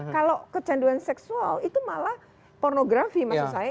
kalau kecanduan seksual itu malah pornografi maksud saya